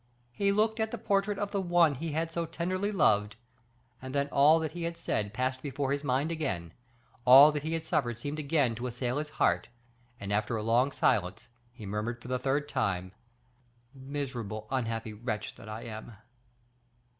He looked at the portrait of the one he had so tenderly loved; and then all that he had said passed before his mind again, all that he had suffered seemed again to assail his heart; and, after a long silence, he murmured for the third time, "Miserable, unhappy wretch that I am!"